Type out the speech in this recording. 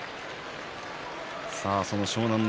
その湘南乃